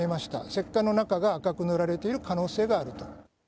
石棺の中が赤く塗られている可能性があると。